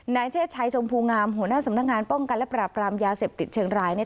เชศชัยชมพูงามหัวหน้าสำนักงานป้องกันและปราบรามยาเสพติดเชียงราย